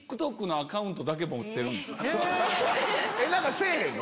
何かせぇへんの？